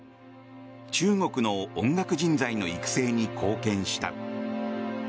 中国の音楽人材の育成に貢献した。